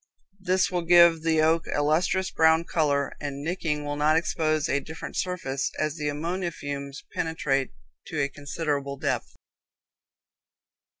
This will give the oak a lustrous brown color, and nicking will not expose a different surface, as the ammonia fumes penetrate to a considerable depth.